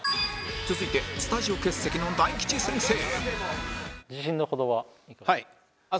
続いてスタジオ欠席の大吉先生